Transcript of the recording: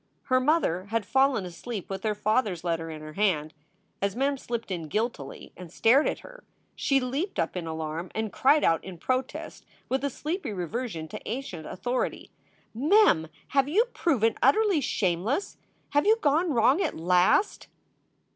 Her mother had fallen asleep with her father s letter in her hand. As Mem slipped in guiltily and stared at her, she leaped up in alarm and cried out in protest, with a sleepy reversion to ancient authority: "Mem, have you proven utterly shameless? Have you gone wrong at last?"